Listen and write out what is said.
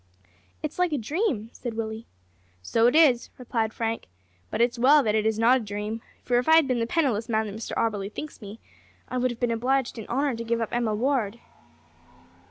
"It's like a dream," said Willie. "So it is," replied Frank, "but it's well that it is not a dream, for if I had been the penniless man that Mr Auberly thinks me, I would have been obliged in honour to give up Emma Ward."